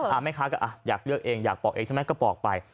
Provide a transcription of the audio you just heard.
แม่ค้าก็อ่ะอยากเลือกเองอยากปอกเองใช่ไหมก็ปอกไป